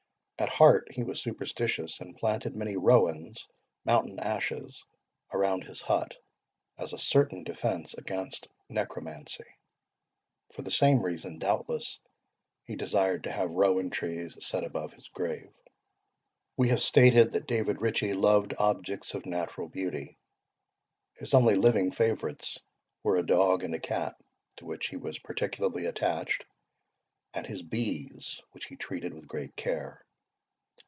At heart, he was superstitious, and planted many rowans (mountain ashes) around his hut, as a certain defence against necromancy. For the same reason, doubtless, he desired to have rowan trees set above his grave. We have stated that David Ritchie loved objects of natural beauty. His only living favourites were a dog and a cat, to which he was particularly attached, and his bees, which he treated with great care.